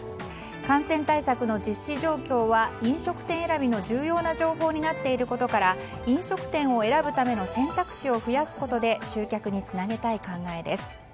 感染対策の実施状況は飲食店選びの重要な情報になっていることから飲食店を選ぶための選択肢を増やすことで集客につなげたい考えです。